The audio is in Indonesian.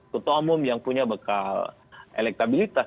ketua umum yang punya bekal elektabilitas